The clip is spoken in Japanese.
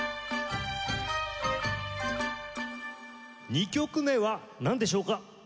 ２曲目はなんでしょうか？